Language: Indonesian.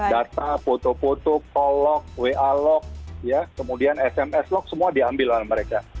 data foto foto call log wa log ya kemudian sms log semua diambil oleh mereka